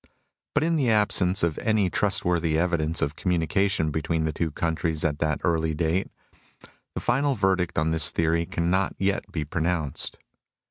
But in the absence of any trust worthy evidence of communication between the two countries at that early date, the final verdict on this theory cannot yet be pronounced.